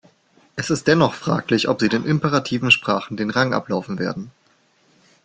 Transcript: Es ist dennoch fraglich, ob sie den imperativen Sprachen den Rang ablaufen werden.